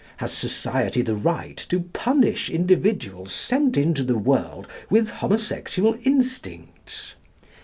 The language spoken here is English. Has society the right to punish individuals sent into the world with homosexual instincts?